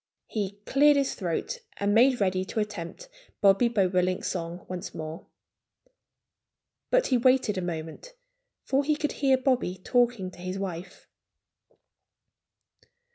He cleared his throat and made ready to attempt Bobby Bobolink's song once more. But he waited a moment, for he could hear Bobby talking to his wife.